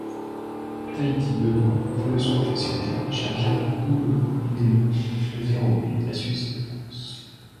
Tahiti Benoit, voleuse professionnelle, est chargée par Leeyo Nelion de dérober les précieuses défenses.